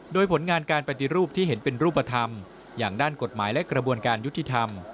โดยผลงานการปฏิรูปที่เห็นเป็นรูปธรรมอย่างด้านกฎหมายและกระบวนการยุติธรรม